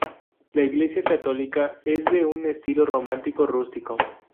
La iglesia católica es de un estilo románico rústico.